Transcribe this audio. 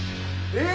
えっ？